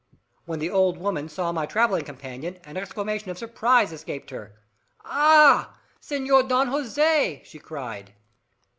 When the old woman saw my travelling companion an exclamation of surprise escaped her. "Ah! Senor Don Jose!" she cried.